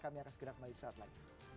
kami akan segera kembali saat lagi